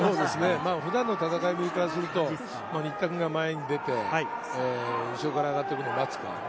普段の戦いぶりからすると、新田君が前に出て、後ろから上がってくるのを待つ。